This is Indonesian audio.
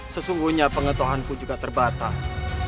sesungguhnya pengetahanku juga terbatas